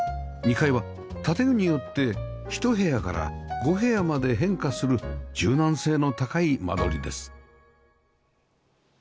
２階は建具によって１部屋から５部屋まで変化する柔軟性の高い間取りです